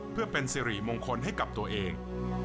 เพื่อเป็นสิริมงคลให้กับตัวเอง